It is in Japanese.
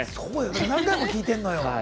何回も聴いてるのよ。